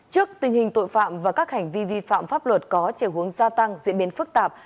trước tình hình tội phạm và các hành vi vi phạm pháp luật có chiều hướng gia tăng diễn biến phức tạp